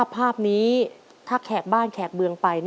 ภาพนี้ถ้าแขกบ้านแขกเมืองไป